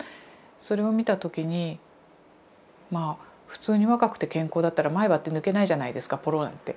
それを見た時にまあ普通に若くて健康だったら前歯って抜けないじゃないですかポロなんて。